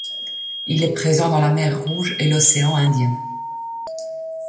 Il est présent dans la mer Rouge et l'océan Indien.